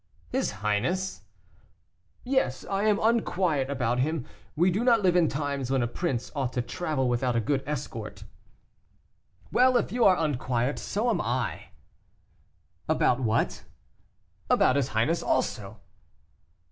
"His highness?" "Yes, I am unquiet about him. We do not live in times when a prince ought to travel without a good escort." "Well, if you are unquiet, so am I." "About what?" "About his highness also."